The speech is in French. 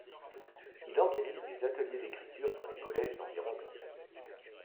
Il organise des ateliers d'écriture dans les collèges environnants.